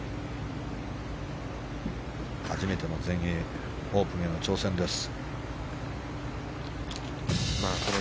初めての全英オープンへの挑戦です。